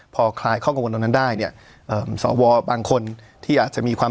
พอคลายข้อกังวลตรงนั้นได้เนี่ยเอ่อสวบางคนที่อาจจะมีความ